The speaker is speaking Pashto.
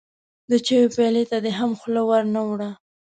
د چايو پيالې ته دې هم خوله ور نه وړه.